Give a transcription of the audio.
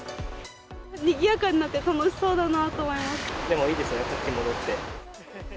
にぎやかになって楽しそうだいいですよね、活気戻って。